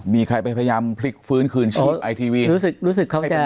มีใครไปพยายามพลิกฟื้นคืนชีพไอทีวีให้เป็นสื่อหรือเปล่า